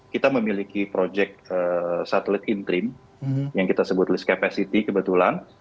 kita memiliki proyek satelit intrim yang kita sebut list capacity kebetulan